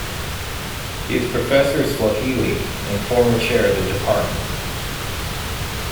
He is Professor of Swahili and former chair of the Dept.